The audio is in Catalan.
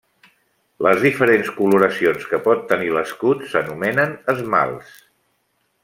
Les diferents coloracions que pot tenir l'escut s'anomenen esmalts.